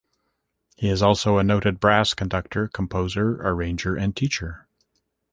He is also a noted brass conductor, composer, arranger and teacher.